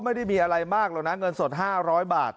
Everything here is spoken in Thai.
ไม่ได้มีอะไรมากหรอกนะเงินสด๕๐๐บาท